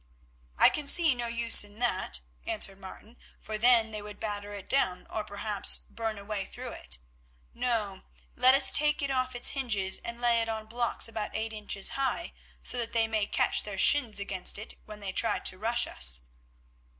"I can see no use in that," answered Martin, "for then they would batter it down, or perhaps burn a way through it. No; let us take it off its hinges and lay it on blocks about eight inches high, so that they may catch their shins against it when they try to rush us."